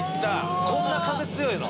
こんな風強いの？